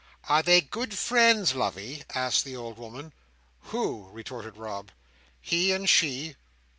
"Are they good friends, lovey?" asked the old woman. "Who?" retorted Rob. "He and she?"